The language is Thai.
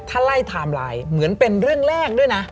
ถ้าไล่ไทม์ไลน์เหมือนเป็นเรื่องแรกด้วยนะ